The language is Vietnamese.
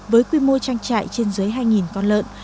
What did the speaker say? với quy mô trang trại trên dưới hai con lợn